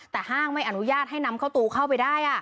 แต่ห้างไม่อนุญาตให้นำเข้าตูเข้าไปได้